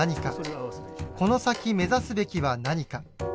この先目指すべきは何か。